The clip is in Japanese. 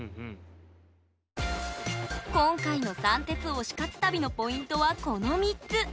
今回の三鉄推し活旅のポイントはこの３つ。